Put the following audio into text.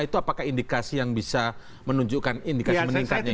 itu apakah indikasi yang bisa menunjukkan indikasi meningkatnya itu